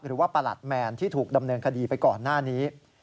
ประหลัดแมนที่ถูกดำเนินคดีไปก่อนหน้านี้